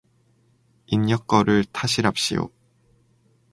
인력거를 타시랍시요.